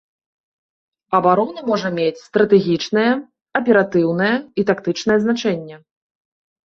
Абарона можа мець стратэгічнае, аператыўнае і тактычнае значэнне.